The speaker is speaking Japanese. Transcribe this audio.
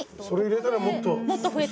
それ入れたらもっと。